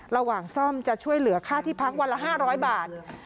ระหว่างซ่อมจะช่วยเหลือค่าที่พักวันละ๕๐๐บาท